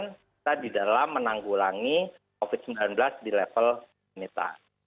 kita di dalam menanggulangi covid sembilan belas di level neta